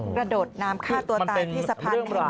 กระโดดน้ำฆ่าตัวตายที่สะพานแห่งนี้อีกแล้วนะ